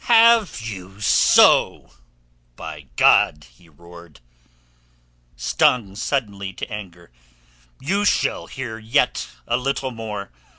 "Have you so, by God!" he roared, stung suddenly to anger. "You shall hear yet a little more.